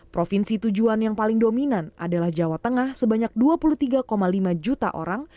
provinsi tujuan yang paling dominan adalah jawa tengah sebanyak dua puluh tiga lima juta orang